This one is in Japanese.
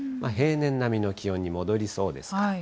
平年並みの気温に戻りそうです。